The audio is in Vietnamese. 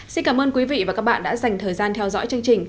xin cảm ơn quý vị và các bạn đã dành thời gian theo dõi chương trình